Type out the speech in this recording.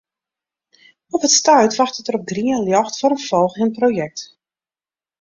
Op it stuit wachtet er op grien ljocht foar in folgjend projekt.